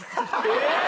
えっ！？